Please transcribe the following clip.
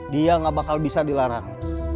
dia nggak bakal bisa dilarang